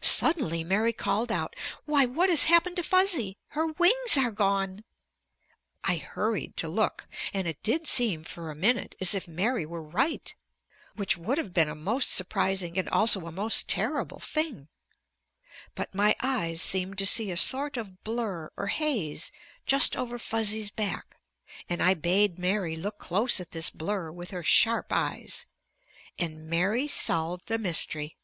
Suddenly Mary called out: "Why, what has happened to Fuzzy? Her wings are gone!" I hurried to look. And it did seem, for a minute, as if Mary were right. Which would have been a most surprising and also a most terrible thing. But my eyes seemed to see a sort of blur or haze just over Fuzzy's back, and I bade Mary look close at this blur with her sharp eyes. And Mary solved the mystery.